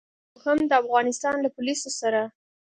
او هم د افغانستان له پوليسو سره.